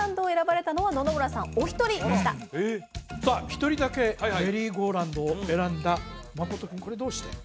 一人だけメリーゴーランドを選んだ真君これどうして？